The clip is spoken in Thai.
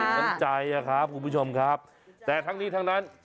น้ำใจอะครับคุณผู้ชมครับแต่ทั้งนี้ทั้งนั้น